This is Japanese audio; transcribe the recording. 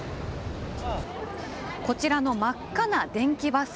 こちらの真っ赤な電気バス。